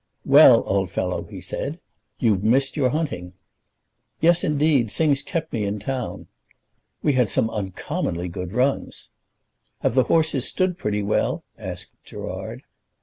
"Well, old fellow," he said, "you've missed your hunting." "Yes; indeed. Things kept me in town." "We had some uncommonly good runs." "Have the horses stood pretty well?" asked Gerard.